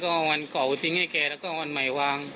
ก็เอาวันเก่าทิ้งให้แกแล้วก็วันใหม่วาง